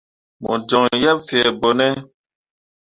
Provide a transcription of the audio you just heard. Mo joŋ yeb fee ɓone ?